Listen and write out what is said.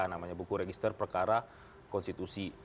namanya buku register perkara konstitusi